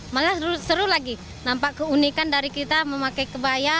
malah seru lagi nampak keunikan dari kita memakai kebaya